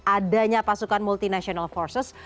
adanya pasukan multinasional forces